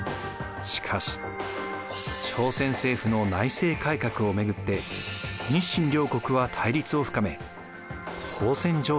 しかし朝鮮政府の内政改革を巡って日清両国は対立を深め交戦状態となります。